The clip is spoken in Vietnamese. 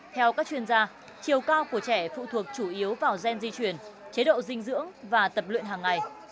theo các chuyên gia chiều cao của trẻ phụ thuộc chủ yếu vào gen di chuyển chế độ dinh dưỡng và tập luyện hàng ngày